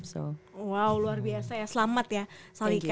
wow luar biasa ya selamat ya salika